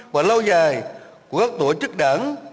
và lao dài của các tổ chức đảng